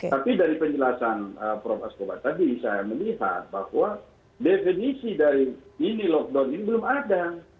tapi dari penjelasan prof askobat tadi saya melihat bahwa definisi dari mini lockdown ini belum ada